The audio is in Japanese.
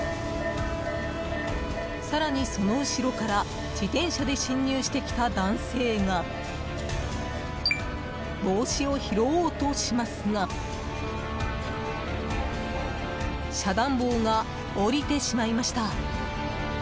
更に、その後ろから自転車で進入してきた男性が帽子を拾おうとしますが遮断棒が降りてしまいました。